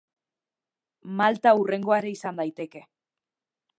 Malta hurrengoa ere izan daiteke.